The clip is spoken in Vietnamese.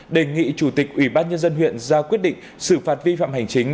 đề nghị chủ tịch ủy ban nhân dân huyện ra quyết định xử phạt vi phạm hành chính